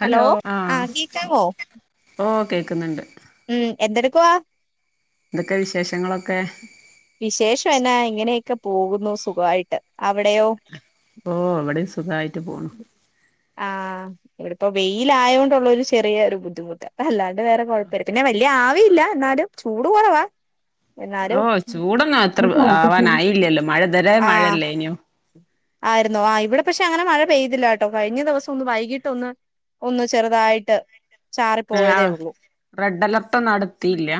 Hello ആഹ് ഓഹ് കേക്ക്ന്ന്ണ്ട് മ്മ് എന്തെട്ക്കുവാ എന്തൊക്കെ വിശേഷങ്ങളൊക്കെ വിശേഷം എന്നാ ഇങ്ങനെയൊക്കെ പോകുന്നു സുഖായിട്ട് അവിടെയോ ഓഹ് ഇവടിം സുഖായിട്ട് പോണ് ആഹ് ഇവിടപ്പോ വെയിലായോണ്ടുള്ളൊരു ചെറിയ ഒരു ബുദ്ധിമുട്ട് അല്ലാണ്ട് വേറെ കുഴപ്പില്ല പിന്നെ വല്യ ആവിയില്ല എന്നാലും ചൂട് കൊറവാ ആവു ചൂടൊന്നും അത്ര ആവാനായില്ലല്ലോ മഴ ഇതരെ ആഹ് മഴയല്ലേന്യോ ആയിരുന്നോ ആഹ് ഇവിടെ പക്ഷെ അങ്ങനെ മഴ പെയ്തില്ലട്ടോ കഴിഞ്ഞ ദിവസം ഒന്ന് വൈകീട്ടൊന്ന് ഒന്ന് ചെറ്തായിട്ട് ചാറിപ്പോയതെ ആഹ് ഒള്ളൂ റെഡ് അലർട്ടൊന്നും നടത്തിയില്ല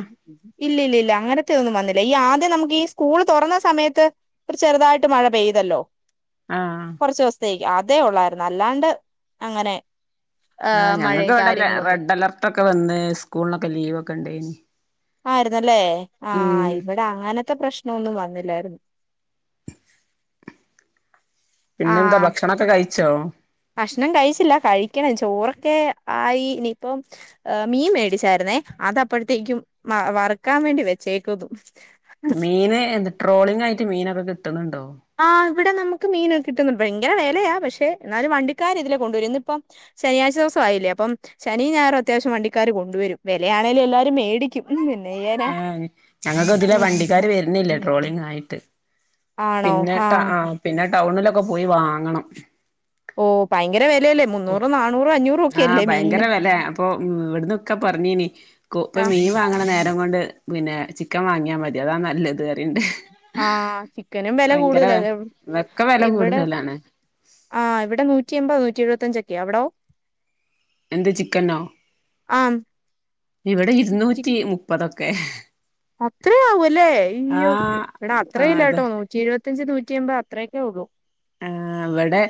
ഇല്ലില്ലില്ല അങ്ങനത്തെ ഒന്നും വന്നില്ല ഈ ആദ്യം നമുക്ക് ഈ സ്കൂള് തൊറന്ന സമയത്ത് ഒര് ചെറ്തായിട്ട് മഴ പെയ്തല്ലോ ആഹ് കൊറച്ച് ദിവസത്തേക്ക് അതെ ഒള്ളായിരുന്നു അല്ലാണ്ട് അങ്ങനെ ആഹ് ഏഹ് ഞങ്ങക്ക് മഴയും ഇവിടെ കാര്യങ്ങളൊന്നും റെഡ് അലർട്ടോക്കെ വന്ന് സ്കൂളിനൊക്കെ ലീവ്ക്കെ ഉണ്ടയ്നി ആയിരുന്നല്ലേ ആഹ് ഇവിടെ അങ്ങനത്തെ പ്രശ്നംന്നും വന്നില്ലായിരുന്നു പിന്നെന്താ ആഹ് ഭക്ഷണൊക്കെ കഴിച്ചോ ഭക്ഷണം കഴിച്ചില്ല കഴിക്കണം ചോറൊക്കെ ആയി ഇനിയിപ്പം ഏഹ് മീൻ മേടിച്ചായിരുന്നേ അത അപ്പോഴത്തേയ്ക്കും വറക്കാൻ വേണ്ടി വെച്ചേക്ക്ന്നു മീന് എന്ത് ട്രോളിംഗ ആയിട്ട് മീന ക്കെ കിട്ടുന്നുണ്ടോ ആഹ് ഇവിടെ നമുക്ക് മീന കിട്ടുന്നു ഭയങ്കര വിലയ പക്ഷെ എന്നാലും വണ്ടിക്കാര ഇതില കൊണ്ടുവര ന്ന് ഇപ്പം ശനിയാഴ്ച ദിവസം ആയില്ലേ അപ്പം ശനി ഞായും അത്യാവശ്യം വണ്ടിക്കാര് കൊണ്ടുവരും വെലയാണെലും എല്ലാരും മേടിക്കും മ് പിന്നെയ്യനാ ഏഹ് ഞങ്ങൾക്ക് ഇതിലെ വണ്ടിക്കാര് വരുന്നില്ല ട്രോളിംഗ് [unintelligible] ആയിട്ട് പിന്നെ ട്ട പിന്നെ ടൗണിലൊക്കെ പോയി വാങ്ങണം ഓഹ് ഭയങ്കര വെലയല്ലേ മുന്നൂറോ നാനൂറോ അഞ്ഞൂ ആഹ് ഭയങ്കര വില അപ്പൊ ഇവിടന്ന് ഒക്കെ പറഞ്ഞീനി ഇപ്പ ആഹ് മീൻ വാങ്ങണ നേരം കൊണ്ട് പിന്നെ ചിക്കൻ വാങ്ങിയാൻ മതി അതാ നല്ലത് പറയണ്ട് ആഹ് ചിക്കനും വെല ഭയങ്കര കൂടുതല അതെ ഒക്കെ വെല ഇവിടെ കൂടുതലാണ് ആഹ് ഇവിടെ നൂറ്റിമ്പത് നൂറ്റി എഴുപത്തഞ്ചൊക്കെ അവിടോ എന്ത് ചിക്കനോ ആഹ് ഇവിടെ ഇരുന്നൂറ്റി മുപ്പതൊക്കെ അത്രയാവല്ലേ അയ്യോ ആഹ് ഇവിടെ അത്ര ആഹ് ഇല്ല അതെ ട്ടോ നൂറ്റിരുപത്തി ത്തഞ്ച് നൂറ്റിയമ്പത് അത്രയക്കെ ഒള്ളു ആഹ് ഇവിടെ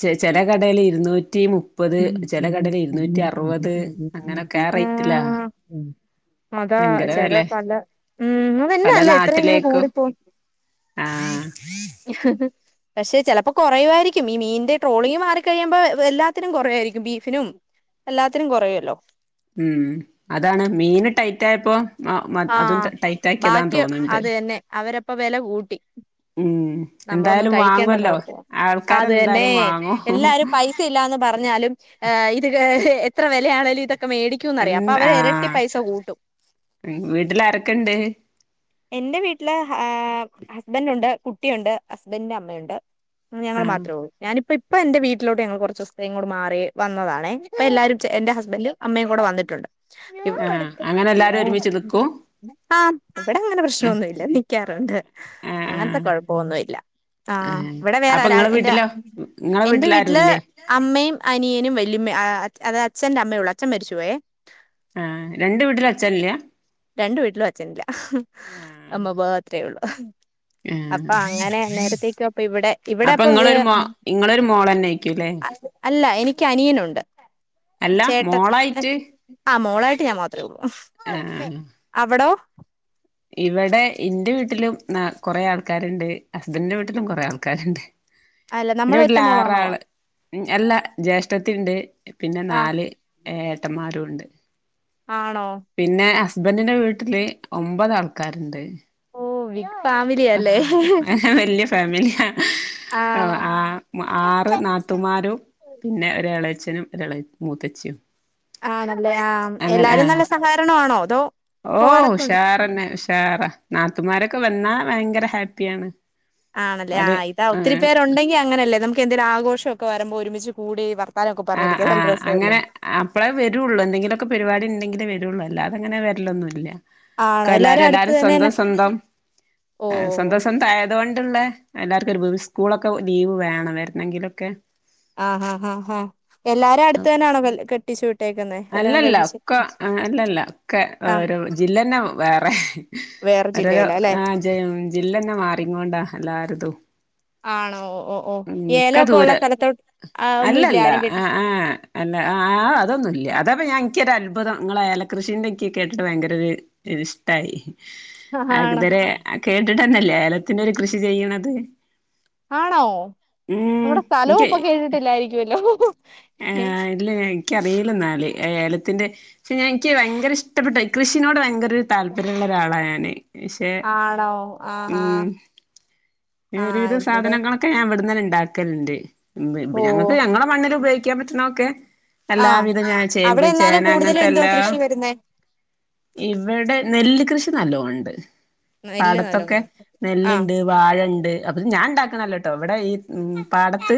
ച ചെല കടയിൽ ഇരുന്നൂറ്റി മു മപ്പത് ചില കടേൽ ഇരുന്നൂറ്റി അറുപത് അങ്ങനെയൊക്കെ ആ റേറ്റിലാ അതാ ഭയങ്കര വെലെ ചിലപ്പല്ല ഉ പല അതെന്നാലെ ഇത്ര ഇങ്ങനെ നാട്ടിലേക്കും കൂടിപ്പോ ആഹ് പക്ഷെ ചിലപ്പോ കുറയവായിരിക്കും ഈ മീനിന്റെ ട്രോളിങ്ങ് മാറിക്കഴിയുമ്പോ എല്ലാ ത്തിനും കുറയിരിക്കും ബീഫിനും എല്ലാത്തിനും കുറയുമല്ലോ ഉംമ് അതാണ് മീന് ടൈറ്റ് ആയപ്പോ ആഹ് അതും ടൈ ടൈറ്റക്കിയതാൻ ബാക്കി തോന്നണ്ട് അത് തന്നെ അവരപ്പ വില കൂട്ടി ഉമ് നമ്മളൊന്നും എന്തായാലും കഴിക്കേണ്ടന്ന് വാങ്ങുല്ലോ ഓർത്തു ആൾക്കാരെന്തായാലും വാങ്ങും നിവത്തില്ലന്ന് പറഞ്ഞാലും ഇത് എത്ര വിലയാണെലും ഇതൊക്കെ മേടി ക്കും ന്നറിയാം അപ്പൊ എന്ത് അവര് ഇരട്ടി ആഹ് പൈസ കൂട്ടും വീട്ടിൽ ആരൊക്കെണ്ട് എന്റെ വീട്ടില് ഏഹ് ഹസ്ബൻറ് ഉണ്ട് കുട്ടിയുണ്ട് ഹസ്ബന്ഡന്റെ അമ്മയുണ്ട് ഞങ്ങൾ ആഹ് മാത്രേ ഉള്ളൂ ഞാനിപ്പ പ്പോ ഇപ്പൊ എന്റെ വീട്ടിലോട്ട് ഞങ്ങള് കുറചൂസ് തേക്ക് മാറി വന്നതാണ് ഇപ്പൊ എല്ലാരും എന്റെ ഹസ്ബന്ഡറ് അമ്മയും കൂടെ വന്നിട്ടുണ്ട് ആഹ് അങ്ങനെ എല്ലാരും ഒരുമിച്ച് നിക്കും ആഹ് ഇവിടെ അങ്ങനെ പ്രശ്നൊന്നുല്ല നിക്കാറുണ്ട് ആഹ് അങ്ങനത്തെ ആഹ് കുഴപ്പൊന്നുല്ല ആഹ് ഇവിടെ വേറെ അപ്പൊ ആരാ ഇങ്ങളെ എന്റെ വീട്ടിലോ ഇങ്ങളെ എന്റെ വീട്ടിൽ വീട്ടില് ആരുല്ലേ അമ്മയും അനിയനും വല്ലിമ്മയും അതത് അച്ഛ്റെ അമ്മയേള്ളൂ അച്ഛൻ മരിച്ചുപോയെ ആഹ് രണ്ട് വീട്ടില് അച്ഛൻല്ല രണ്ടു വീട്ടിലും അച്ഛനില്ല ആഹ് അമ്മ മാത്രേ ള്ളു ആഹ് അപ്പൊ അങ്ങനെ നേരത്തേക്ക അപ്പൊ ഇവിടെ ഇവിടെ അപ്പൊ അപ്പം ഇങ്ങളൊരു മോ ഇങ്ങളൊരു മോളെന്നേക്കൂല്ലേ അല്ല എനിക്ക് അനിയനുണ്ട് അല്ല ചേട്ടൻ മോളായിട്ട് ആഹ് മോളായിട്ട് ഞാൻ മാത്രേ ഉള്ളൂ ആഹ് അവിടോ ഇവിടെ ഇന്റെ വീട്ടിലും ന കൊറെ ആൾക്കാരുണ്ട് ഹസ്ബൻഡന്റെ വീട്ടിലും കൊറെ ആൾക്കാരുണ്ട് അല്ല എന്റെ നമ്മള ഒറ്റ വീട്ടില് ആറ് മോളാണോ ആള് അല്ല ജ്യേഷ്ഠത്തിണ്ട് പിന്നെ ആഹ് നാല് ഏ ഏട്ടന്മാരും ഉണ്ട് ആണോ? പിന്നെ ഹസ്ബൻറിന്റെ വീട്ടില് ഒമ്പതാൾക്കാര്ണ്ട്. ഓഹ് ഇപ്പാ [unintelligible] വെല്യ ഫാമില്യാ ആഹ് ആ ആറ് നാത്തുമാരും പിന്നെ ഒരെളയച്ചനും ഒരെളെ മൂത്തച്ചിം ആഹ് നല്ലേ ആഹ് എല്ലാരും നല്ല സഹകരണാണോ അതോ ഓഹ് പോവാറൊക്കെ ഉണ്ട് ഉഷാറെന്നെ ഉഷാറാ നാത്തൂമാരൊക്കെ വന്നാ ഭയങ്കര ഹാപ്പിയാണ്. ആണല്ലേ ഓല് ആഹ് ഇതാ ഒത്തിരി ഏഹ് പേര് രുണ്ടെങ്കി അങ്ങനല്ലേ നമക്കെന്തെലും ആഘോഷൊക്കെ വറ്മ്പോ ഒരുമിച്ച് കൂടി വർ ആഹ് ആഹ് അങ്ങനെ അപ്പളാ വെരൊള്ളൂ എന്തെങ്കിലൊക്കെ പരിവാടി ണ്ടെങ്കിലെ വെരൊള്ളൂ അല്ലാതങ്ങനെ വെര്ല്ലൊന്നുല്ല. ആണോ ക്കല്ലാരും അടുത്ത് എല്ലാരും തന്നെന്നെ സ്വന്തം സ്വന്തം ആ ഓഹ് സ്വന്തം സ്വന്തായ തോണ്ട്ള്ളെ എല്ലാക്കൊരു [unintelligible] സ്കൂളൊക്കെ ലീവ് വേണം വെര്ന്നെങ്കിലൊക്കെ ആഹ് ഹാ ഹാ ഹാ എല്ലാരും അട്ത്തെന്നാണോ വെൽ കെട്ടിച്ച് വിട്ടേക്ക്ന്നെ? അല്ലല്ല ഒക്ക അങ്ങ അല്ലല്ല ക്കെ ആഹ് ഓരോ ജില്ലന്നെ വാറെ വേറെ ജില്ലയില ല്ലെ ജെം ജില്ലന്നെ മാറിങ്ങൊണ്ടാ അല്ലാര്തും ആണോ ഓഹ് ഓഹ് ഉം ക്ക ഏലൊക്കെ ഉള്ള ദൂരെ സ്ഥലത്തോട്ട് ആഹ് ഒന്നും ഇല്ലേ അല്ലല്ല ആരും എഹ് കെട്ടിച്ച് ആഹ് അല്ല ആഹ് ആഹ് അതൊന്നു ല്ല അതാപ്പ ഞാ ഇൻക്കൊരത്ഭുതം ഇങ്ങളെല കൃഷീന്റെ ഇൻക്ക് കേട്ടിട്ട് ഭയങ്കരൊര് ഒരിഷ്ടായി. [unintelligible] ആണോ ഇതരെ കേട്ട്ട്ടന്നല്ലേ ഏലത്തിൻ്റൊരു കൃഷി ചെയ്യ്ണത്. ആണോ നമ്മടെ സ്ഥലോ എനിക്ക് പ്പൊ കേട്ട്ട്ട്ല്ലായിരിക്കുവല്ലോ. ഏഹ് അയ്ന് ഇല്ല ഞാൻ ഇൻക്ക്യറിലന്നാല് ഏ ഏലത്തിന്റെ പക്ഷെ ഞാൻ ഇൻക്ക് ഭയങ്കര ഇഷ്ടപ്പെട്ട കൃഷിനോട് ഭയങ്ക ട് താല്പര്യള്ളൊരാളാ ഞാന് പക്ഷെ ആണോ ആഹ് ആഹ് ഉം ആഹ് ഒരുവിധം ഇവിടെ സാധനങ്ങളൊ ക്കെ ഞാൻ ഇവട്ന്നന്നെ ണ്ടാക്കണ്ട് ഇബ് ഇബ് ഓ ഞങ്ങക്ക് ഞങ്ങളെ മണ്ണിലുപയോഗിക്ക്യാൻ പറ്റ്ണൊക്കെ ആഹ് എല്ലാവിധം ഞാൻ ചേമ്പ്, അവിടെ ചേന എന്നാലും കൂടുതലും എന്തുവാ അങ്ങൻത്തെല്ലാ കൃഷി വരുന്നേ ഇവടെ നെല്ല് കൃഷി നല്ലോണ്ട്. നെല്ല് പടത്തൊക്കെ നല്ലോണം നെല്ല്ണ്ട് ആഹ് വാഴണ്ട്. അപ്പോത് ഞാൻ ണ്ടാക്കണല്ലട്ടോ ഇവടെ ഈ ഉം പാടത്ത്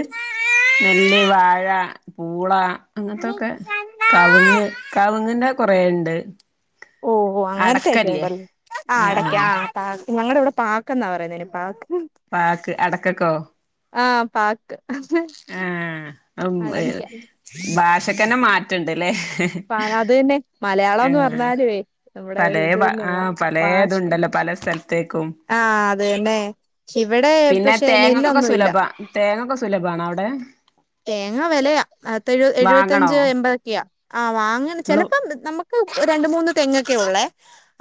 നെല്ല്, വാഴ പൂള അങ്ങൻത്തൊക്കെ കവ്ങ്ങ് കവ്ങ്ങിന്റെ കൊറേ ണ്ട് ഓഹ് അങ്ങൻത്തെക്കെണ്ട് ല്ലെ ആഹ് അടക്ക്യാ പാ ഞങ്ങടെ വടെ പാക്ക് ന്നാ പറയ്ന്നയ്ന് പാക്ക് പാക്ക് അടക്കക്കോ? ആഹ് പാക്ക് ആഹ് ഉം അടക്ക്യ. ഭാഷക്കന്നെ മാറ്റണ്ട്ല്ലേ പ അത് തന്നെ മലയാളംന്ന് ആഹ് പറഞ്ഞാലുവേ നമ്മുടെ ഒരു പലേ ഇത് ഭ തന്നെ ആഹ് ഭാഷ തുണ്ടല്ലോ പലേ സ്ഥൽ ത്തേക്കും. ആഹ് അതെന്നെ ഇവടെ പിന്നെ തേങ്ങക്കൊക്കെ സുലഭ തേങ്ങൊക്കെ സുലഭാണോ അവടെ? തേങ്ങ വെലയാ അത്തെഴ് എഴു വാങ്ങണോ വത്തഞ്ച് എൺപതൊക്കെയാ ആഹ് വാങ്ങണ് ഇങ്ങള് ചെലപ്പം നമക്ക് രണ്ട് മൂന്ന് തെങ്ങൊക്കെ ഒള്ളേ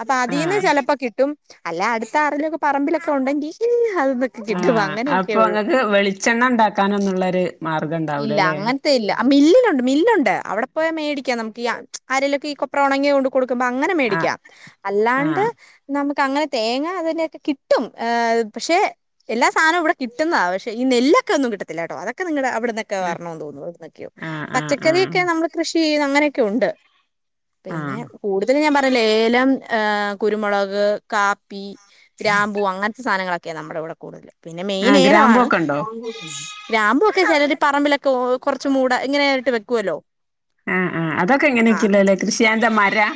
അപ്പതീന്ന് ആഹ് ചെലപ്പ കിട്ടും അല്ലാ അട്ത്താറെലൊക്കെ പറമ്പിലൊക്കെ ഉണ്ടെങ്കി അത് [unintelligible] ആഹ് അപ്പൊ ഇങ്ങക്ക് വെളിച്ചെണ്ണ ഉണ്ടാക്കാനൊന്നുള്ളൊരു മാർഗം ഇല്ല ഉണ്ടാവുലല്ലേ അങ്ങനത്തെ ഇല്ല മില്ലുണ്ട് മില്ലുണ്ട് അവിടെ പോയാ മേടിക്കാം നമുക്ക് ഈ ആരേലുവൊക്കെ ഈ കൊ കൊപ്രാ ഉണങ്ങിയ കൊണ്ട് കൊടുക്കുമ്പോ അങ്ങനെ ആഹ് മേടിക്കാം അല്ലാണ്ട് ആഹ് നമുക്ക് അങ്ങനെ തേങ്ങ അതങ്ങനൊക്കെ കിട്ടും ആഹ് പക്ഷെ എല്ലാ സാധനവും ഇവടെ കിട്ടുന്നയാ പക്ഷേ നെല്ലൊക്കെ ഒന്നും കിട്ടത്തില്ല കേട്ടോ അതൊക്കെ നിങ്ങടെ അവിടുന്ന് വരണംന്ന് തോന്നുണു എന്തൊക്കെയോ ആഹ് ആഹ് ആഹ് പച്ചക്കറിയൊക്കെ നമ്മള് കൃഷി ചെയ്യുന്ന അങ്ങനൊക്കെ ഉണ്ട് ആഹ് പിന്നെ കൂടുതലും ഞാൻ പറഞ്ഞില്ലേ ഏലം ഏഹ് കുരുമൊളക്, കാപ്പി ഗ്രാമ്പു അങ്ങനത്തെ സാധനങ്ങളൊക്കെയാ നമ്മടെ ഇവടെ കൂടുതല് പിന്നെ മെയിൻ ആഹ് ഏലമാണ് ഗ്രാമ്പൊക്കെണ്ടോ ഗ്രാമ്പുവൊക്കെ ചെലര് പറമ്പിലൊക്കെ കൊറച്ച് മൂട് ഇങ്ങനെ ആയിട്ട് വെക്കുവല്ലോ ആഹ് ആഹ് ആഹ് അതൊക്കെങ്ങനൊക്കല്ലല്ലേ കൃഷിയാന്ന് മരാ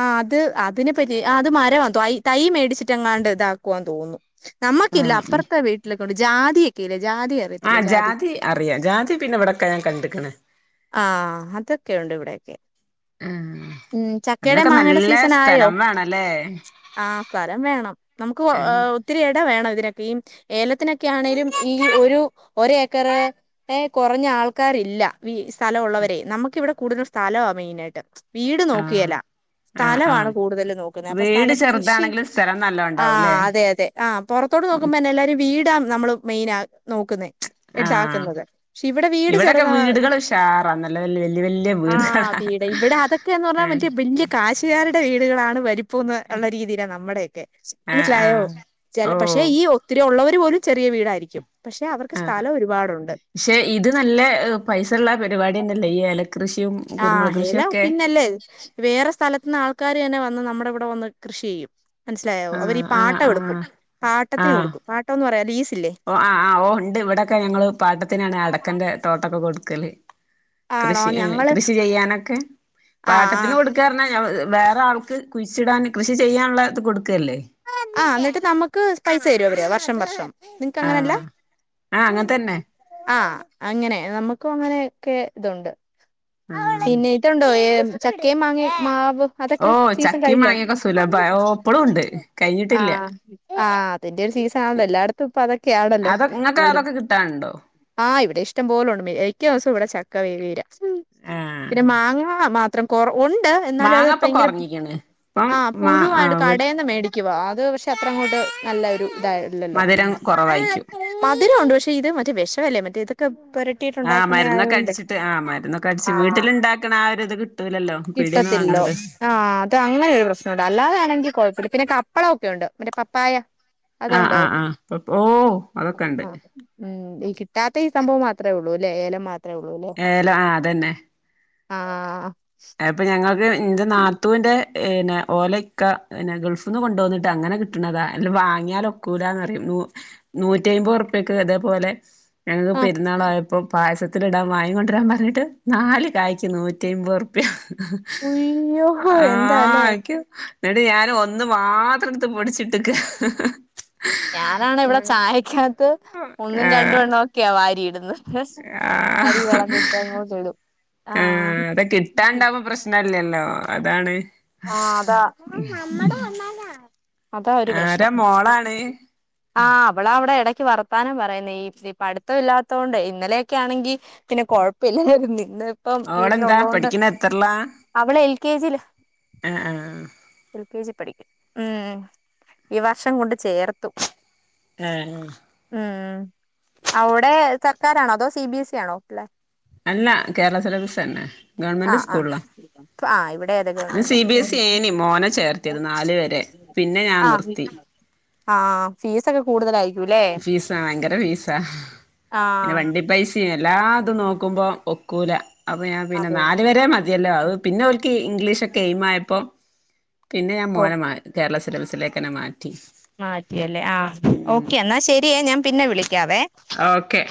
ആഹ് അത് അതിനെ പറ്റി അത് മരവാ ത തൈ മേടിച്ചിട്ട് എങ്ങാണ്ട് ഇതാക്കുവാന്ന് തോന്നുന്നു നമ്മക്കില്ല ആഹ് ഉം അപ്പറത്തെ വീട്ടിലൊക്കെയുണ്ട് ജാതിയൊക്കെ ഇല്ലേ ജാതി ആഹ് ജാതി അറിയാ ജാതി പിന്നെ ഇവടൊക്കെ ഞാൻ കണ്ടിക്ക്ണ് ആഹ് അതൊക്കെ ഒണ്ട് ഇവിടൊക്കെ ആഹ് ചക്കേടേം അതിനൊക്കെ മാങ്ങേടേം നല്ല സീസണായോ സ്ഥലം വേണല്ലേ ആഹ് സ്ഥലം വേണം നമുക്ക് ആഹ് ഏഹ് ഒത്തിരി എട വേണം ഇതിനെക്കെയും ഏലത്തിനൊക്കെ ആണേലും ഈ ഒരു ഒരേക്കറ് ഏഹ് കൊറഞ്ഞ ആൾക്കാരില്ല വീസ്‌ സ്ഥലം ഉള്ളവരെയ് നമ്മക്കിവിടെ കൂടുതല് സ്ഥലവാ മെയ്നായ്ട്ട് വീട് നോക്ക്കേല ആഹ് സ്ഥലമാണ് ആഹ് കൂടുതല് നോക്കുന്നേ അപ്പൊ വീട് സ്ഥലത്ത് കൃഷി ചെറുതാണെങ്കിലും സ്ഥലം നല്ലോം ഉണ്ടാവൂല്ലേ ആഹ് അതെ അതെ അതെ ആഹ് പൊറത്തോട്ട് നോക്കുമ്പോന്നെ എല്ലരും വീടാ നമ്മള് മെയ്നാ നോക്കുന്നേ ആഹ് ഇതാക്കുന്നത് പക്ഷെ ഇവിടെ വീട് ഇവിടൊക്കെ ചെറുതാ വീടുകൾ ഉഷാറാ നല്ല വല്യ വല്യ വല്യ ആഹ് വീടുകളാ വീട് ഇവിടെ അ തൊക്കേന്ന് പറഞ്ഞാ ആഹ് മറ്റേ വെല്ല്യാ കാശ്കാരുടെ വീട്കളാണ് വരു പ്പോന്ന് ഒള്ള രീതിയിലാ നമ്മടെയൊക്കെ ആഹ് മനസ്സിലായോ ആഹ് ചെല പക്ഷെ ഓഹ് ഈ ഒത്തിരി ഒള്ളവര് പോലും ചെറിയ വീടായിരിക്കും പക്ഷെ അവർക്ക് ആഹ് സ്ഥലം ഒരുപാടൊണ്ട് പക്ഷെ ഇത് നല്ലെ പൈസയുള്ള പരിപാടി തന്നെല്ലേ ഈ ഏല കൃഷിയും ആഹ് ഏലം പിന്നല്ലേ വേറെ സ്ഥലത്തുന്ന് ആൾക്കാരന്നെ വന്ന് നമ്മടെ ഇവടെ വന്ന് കൃഷി ചെയ്യും മനസ്സിലായോ അവര് ആഹ് ഈ ആഹ് പാട്ടവെടുക്കും ആഹ് പാട്ടത്തിന് കൊടുക്കും പാട്ടോന്ന് പറയാ ലീസില്ലെ ഓഹ് ആഹ് ആഹ് ഓഹ് ഒണ്ട് ഇവടൊക്കെ ഞങ്ങള് പാട്ടത്തിനാണ് അടക്കന്റെ തോട്ടൊക്കെ കൊടുക്കല് ആണോ കൃഷി ഞങ്ങള് കൃഷി ചെയ്യാനൊക്കെ പാട്ടത്തിന് ആഹ് കൊടു ക്കാറഞ്ഞാ വേറെ ആൾക്ക് കുയ്ച്ചിടാന് കൃഷി ചെയ്യാനുള്ള ഇത് കൊടുക്കല്ലേ ആഹ് എന്നട്ട് നമ്മക്ക് അവര് പൈസ തരുവൊ അവര് വർഷം വർഷം നിങ്ങ്ക്കങ്ങനല്ല ആഹ് ആഹ് അങ്ങനെ തന്നെ ആഹ് അങ്ങനെ നമ്മക്കും അങ്ങനെ ഒക്കെ ഇതുണ്ട് ആഹ് പിന്നി പ ഇത് ഉണ്ടോ ഏഹ് ചക്കേം, മാങ്ങേം മാവ് ഓ അതൊക്കെ സീസൺ ചക്കയും കഴിഞ്ഞോ മാങ്ങയൊക്കെ സുലഭ ഓ ഇപ്പളും ഉണ്ട് കഴിഞ്ഞിട്ടില്ല ആഹ് ആഹ് അതിന്റെ ഒരു സീസൺ ആണല്ലോ എല്ലായെടുത്തും ഇപ്പൊ അതൊക്കെയാണല്ലോ കൂടു ആഹ് ഉണ്ടോ ആഹ് ഇവടേ ഇഷ്ട്ടം പോലൊണ്ട് മിക്ക ദിവസോം ഇവടെ ചക്ക വേവീരാ ആഹ് പിന്നെ മാങ്ങാ മാത്രം കൊർഗോണ് ഉണ്ട് എന്നാലും അത് മാങ്ങ ഇപ്പൊ ഭയങ്കര കൊറഞ്ഞിക്കണ് ഇപ്പം ആഹ് മാ പുഴു ആ ആയോണ്ട് വീ കടേന്ന് മേടി ക്കും അത് പക്ഷെ അത്രങ്ങോട്ട് നല്ലൊരു ഇതല്ലല്ലോ മധുരം കൊറവായിക്കും മധുരം ഒണ്ട് പക്ഷേ ഇത് മറ്റേ വെഷവല്ലേ മറ്റേ ഇതൊക്കെ പൊര ആഹ് മരുന്നൊക്കെ അടിച്ചിട്ട് ആഹ് ആഹ് മരുന്നൊക്കെ അടിച്ചിട്ട് ആഹ് മരുന്നൊക്കെ അടിച്ച് വീട്ടിലുണ്ടാക്ക്ണ ആഹ് ഒരിത് കിട്ടൂലല്ലോ പീടിയേന്ന് കിട്ടത്തില്ലല്ലോ വാങ്ങണത് ആഹ് ഇത് അങ്ങനൊര് പ്രശ്നവുണ്ട് അല്ലാതെ ആണെങ്കി കൊഴപ്പമില്ല പിന്നെ കപ്പള ഒക്കെയുണ്ട് മറ്റേ പപ്പായ ആഹ് അതുണ്ടോ ആഹ് ആഹ് പപ്പ ഓഹ് അതൊക്കെണ്ട് ആഹ് ഉം ഈ കിട്ടാത്ത ഈ സംഭവം മാത്രേയൊള്ളൂല്ലേ? ഏലം മാത്രേ ഒള്ളൂല്ലേ? ഏല ആഹ് ആഹ് അത്പ്പൊ ഞങ്ങക്ക് ഇന്റെ നാത്തൂന്റെ പിന്നെ ഓലെ ഇക്ക പിന്നെ ഗൾഫ്ന്ന് കൊണ്ടോന്ന്ട്ട് അങ്ങനെ കിട്ട്ണതാ അല്ലേ വാങ്ങിയാല് ഒക്കൂലാന്നറിയും നൂറ്റി അയ്മ്പത് ഉർപ്പ്യക്ക് ഇതേപോലെ ഞങ്ങക്ക് ആഹ് പെരുന്നാളയപ്പോ പായസത്തില്ടാം വാങ്ങി കൊണ്ടരാം പറഞ്ഞിട്ട് നാല് കായ് നൂറ്റി അയ്മ്പത് ഉറു ഉയ്യോ എന്താല്ലേ ആഹ് എനിക് ഇന്നെട്ട് ഞാൻ ഒന്ന് മാത്രം ഇടുത്ത് പൊടിച്ചിട്ടെക്ക ഞാനാണെ ഇവിടെ ചായക്കകത്ത് ഒന്നും രണ്ടും ആഹ് എണ്ണം ഒക്കെയ വാരിയിടുന്നെ ആഹ് അരി കളഞ്ഞിട്ട് അങ്ങോട്ടിടും ആഹ് അത് കിട്ടാൻ ഇണ്ടാവുമ്പോ പ്രശനല്ല്യല്ലോ? അതാണ് ആഹ് അതാ അതാ ഒരു പ്രശ്നം ആരാ മോളാണ് ആഹ് അവള് അവിടെ എടയ്ക്ക് വർത്താനം പറയുന്നെ ഈ ഇച്ചിരി പടുത്തം ഇല്ലാത്തോണ്ടേ ഇന്നലെയൊക്കെ ആണെങ്കി പിന്നെ കൊഴപ്പയില്ലായിര്ന്ന് ഇന്ന് ഇപ്പം ഓളെന്താ വീട്ടിലുള്ളോണ്ട് പഠിക്കണ എത്രല്ലാ അവള് എൽ. കെ. ജി. യില് ആഹ് ആഹ് എൽ. കെ. ജി. പഠിക്കുന്നു ഉം ഈ വർഷം കൊണ്ട് ചേർത്തു. ഏഹ് ഉം ഉം അവ്ടെ സർക്കാരാണോ? അതോ സി ബി. എസ്സി. യാണോ പിള്ളേര്? അല്ല കേരള സിലബസ്സ് തന്നെ ഗവൺമെന്റ് ആഹ് ആഹ് സ്കൂളില ആഹ് ഇവിടെ അതെ ഞാൻ സി. ഗവൺമെന്റാ ബി. എസ്സി. ഏനി മോനെ ചേർത്തിയത് നാല് വരെ പിന്നെ ഞാൻ ആഹ് നിർത്തി ആഹ് ഫീസക്കെ കൂടുതലായിരിക്കുംല്ലേ? ഫീസ് ആ ഭയങ്കര ഫീസ പിന്നെ ആഹ് വണ്ടി പൈ പൈസിം എല്ലാ ഇതും നോക്കുമ്പം ഒക്കൂല അപ്പൊ ഞാൻ പിന്നെ അതെ നാല് വരെ മതിയല്ലോ അത് പിന്നെ ഓ ഓൽക്ക് ഇംഗ്ലീഷക്കെ എയിമ് ആയപ്പോ പിന്നെ ഞാൻ ഓ മോനെ മാ കേരള സിലബസിലേക്കന്നെ മാറ്റി. മാറ്റിയല്ലേ? ആ ഓക്കെ എന്നാ ശരിയെ ഞാൻ പിന്നെ വിളിക്കാവേ? ഓക്കെ